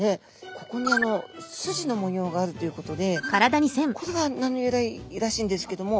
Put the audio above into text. ここにあのスジの模様があるということでこれが名の由来らしいんですけども。